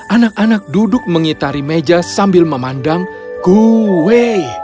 anak anak duduk mengitari meja sambil memandang kue